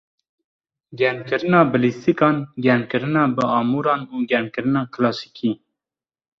Germkirina bi lîstikan, germkirina bi amûran û germkirina kilasîkî.